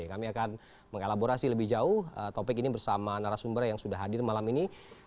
kami akan mengelaborasi lebih jauh topik ini bersama narasumber yang sudah hadir malam ini